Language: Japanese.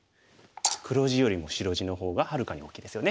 黒地よりも白地の方がはるかに大きいですよね。